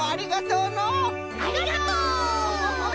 ありがとう！